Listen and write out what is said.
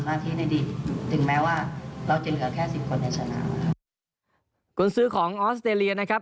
แล้วก็ให้กำลังใจน้องว่าทุกครั้งที่เราลงสนามในทีมชาติไทย